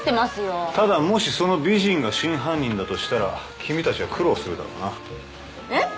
ただもしその美人が真犯人だとしたら君たちは苦労するだろうなえっ？